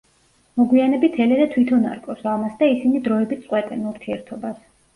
მოგვიანებით ელენა თვითონ არკვევს ამას და ისინი დროებით წყვეტენ ურთიერთობას.